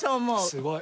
すごい。